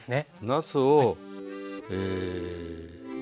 なすをえ。